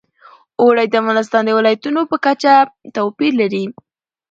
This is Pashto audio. اوړي د افغانستان د ولایاتو په کچه توپیر لري.